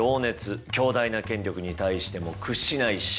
強大な権力に対しても屈しない信念。